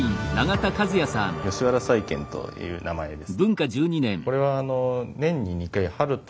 「吉原細見」という名前です。